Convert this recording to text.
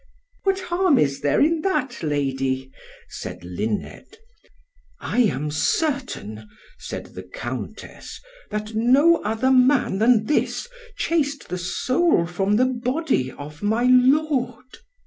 "What harm is there in that, Lady?" said Luned. "I am certain," said the Countess, "that no other man than this, chased the soul from the body of my lord."